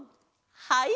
はい！